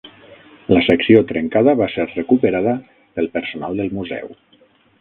La secció trencada va ser recuperada pel personal del museu.